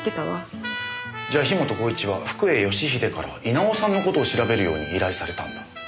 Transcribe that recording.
じゃあ樋本晃一は福本義英から稲尾さんの事を調べるように依頼されたんだ。